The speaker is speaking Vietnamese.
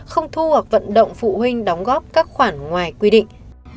không thu hoặc vận động phụ huynh đóng góp các khoản ngoài quy định